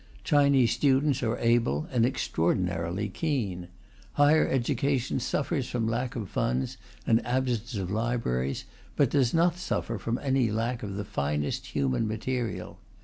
Chinese students are able and extraordinarily keen. Higher education suffers from lack of funds and absence of libraries, but does not suffer from any lack of the finest human material.